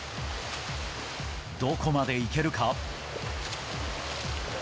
どこまでいけるか。